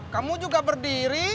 kamu juga berdiri